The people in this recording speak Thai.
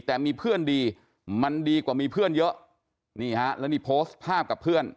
แต่มีเพื่อนดีมันดีกว่ามีเพื่อนเยอะนี่ฮะแล้วนี่โพสต์ภาพกับเพื่อน